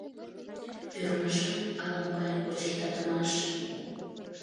Ӧрмашан ала-могай кочыртатымаш.